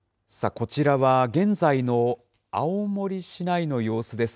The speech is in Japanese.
こちらは現在の青森市内の様子です。